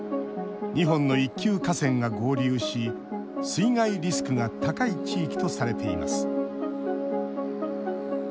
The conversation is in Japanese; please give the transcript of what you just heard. ２本の一級河川が合流し水害リスクが高い地域とされています。